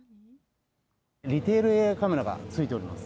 リテールＡＩカメラが付いております。